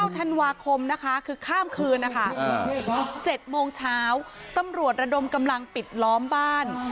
ธันวาคมนะคะคือข้ามคืนนะคะ๗โมงเช้าตำรวจระดมกำลังปิดล้อมบ้าน